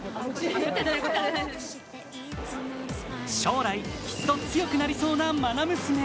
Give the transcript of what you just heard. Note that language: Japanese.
将来、きっと強くなりそうなまな娘。